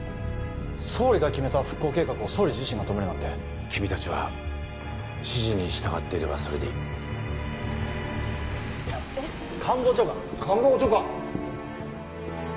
総理が決めた復興計画を総理自身が止めるなんて君達は指示に従っていればそれでいい官房長官官房長官！